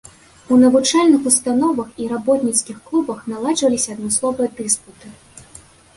У навучальных установах і работніцкіх клубах наладжваліся адмысловыя дыспуты.